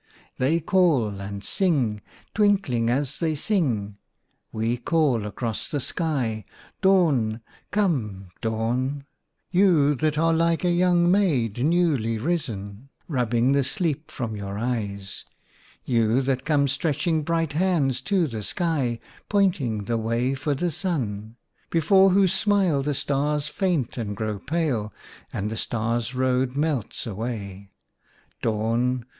" They call and sing, twinkling as they sing :— 1 We call across the sky, Dawn ! Come, Dawn ! You, that are like a young maid newly risen, Rubbing the sleep from your eyes ! You, that come stretching bright hands to the sky, Pointing the way for the Sun ! Before whose smile the Stars faint and grow pale, And the Stars' Road melts away. Dawn